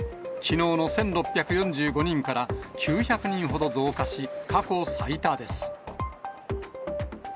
きのうの１６４５人から９００人ほど増加し、過去最多です。